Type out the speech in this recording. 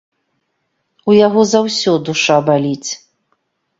У яго за ўсё душа баліць.